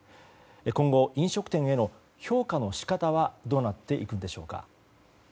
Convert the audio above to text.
今後、飲食店への評価の仕方はどうなっていくんでしょうか。